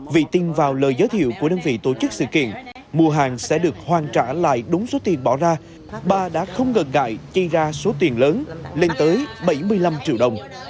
vì tin vào lời giới thiệu của đơn vị tổ chức sự kiện mua hàng sẽ được hoàn trả lại đúng số tiền bỏ ra bà đã không gần gại chi ra số tiền lớn lên tới bảy mươi năm triệu đồng